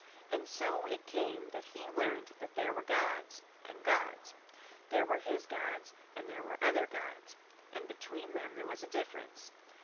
And so it came that he learned there were gods and gods. There were his gods, and there were other gods, and between them there was a difference.